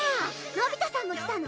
のび太さんも来たの？